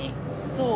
そう。